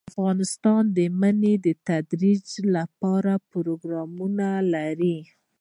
افغانستان د منی د ترویج لپاره پروګرامونه لري.